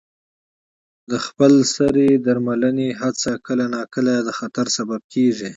د خپل سرې درملنې هڅه کله ناکله د خطر سبب کېږي.